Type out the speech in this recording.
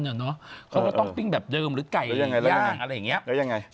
เขาก็ต้องปิ้งแบบเดิมหรือไก่ย่างอะไรอย่างนี้